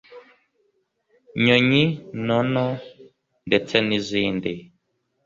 Nyonyi Ntono ndetse n’izindi